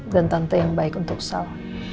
dan tante yang baik untuk sal